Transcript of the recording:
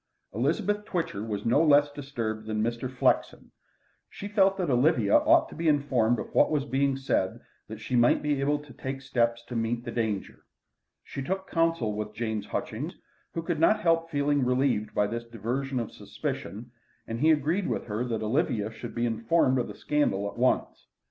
Elizabeth Twitcher was no less disturbed than Mr. Flexen. She felt that Olivia ought to be informed of what was being said that she might be able to take steps to meet the danger. She took counsel with James Hutchings, who could not help feeling relieved by this diversion of suspicion, and he agreed with her that Olivia should be informed of the scandal at once.